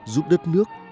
giúp đất nước